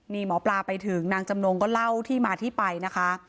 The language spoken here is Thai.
นี่หมอปลาไปถึงนางจำนงก็เล่าที่มาที่ไปนะคะ